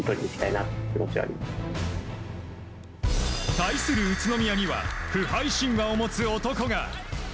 対する宇都宮には不敗神話を持つ男が。